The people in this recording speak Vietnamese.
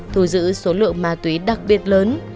thu giữ số lượng ma túy đặc biệt lớn